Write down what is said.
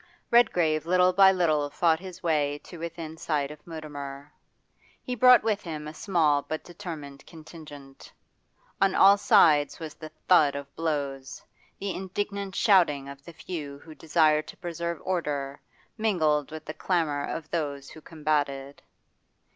Redgrave little by little fought his way to within sight of Mutimer; he brought with him a small but determined contingent. On all sides was the thud of blows, the indignant shouting of the few who desired to preserve order mingled with the clamour of those who combated.